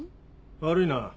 悪いな。